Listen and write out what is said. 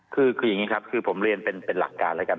คืออย่างนี้ครับคือผมเรียนเป็นหลักการแล้วกัน